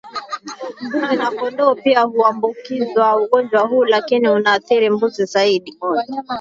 Mbuzi na kondoo pia huambukizwa ugonjwa huu lakini unaathiri mbuzi zaidi